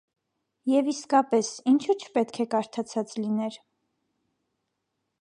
Եվ, իսկապես, ինչո՞ւ չպետք է կարդացած լիներ: